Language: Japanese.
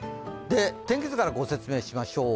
天気図からご説明しましょう。